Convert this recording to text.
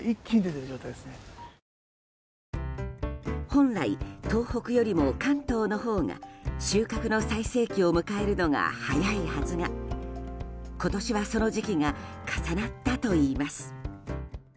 本来、東北よりも関東のほうが収穫の最盛期を迎えるのが早いはずが今年はその時期が重なったといいます。